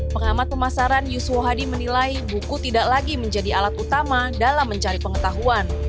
pengamat pemasaran yuswo hadi menilai buku tidak lagi menjadi alat utama dalam mencari pengetahuan